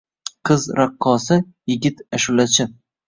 Qiz — raqqosa, yigit — ashulachi.